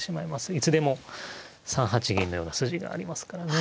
いつでも３八銀のような筋がありますからね。